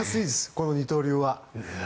この二刀流は。